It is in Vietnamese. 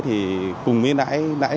thì cùng với nãi